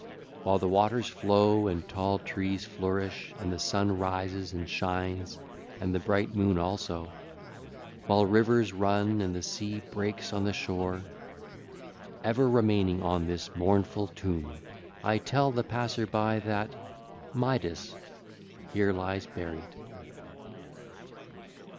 While the waters flow and tall trees flourish, and the sun rises and shines and the bright moon also; while rivers run and the sea breaks on the shore, ever remaining on this mournful tomb, I tell the passer by that Midas here lies buried.